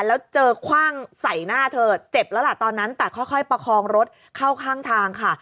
แล้วเจอคว่างใส่หน้าเธอเจ็บแล้วล่ะตอนนั้นแต่ค่อยประคองรถเข้าข้างทางค่ะ